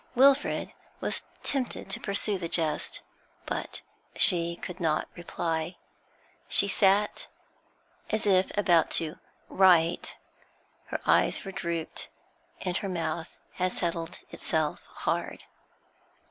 Wilfrid at tempted to pursue the jest, but she could not reply. She sat as if about to 'write; her eyes were drooped, and her mouth had set itself hard.